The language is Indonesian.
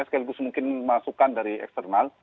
sekaligus mungkin masukan dari eksternal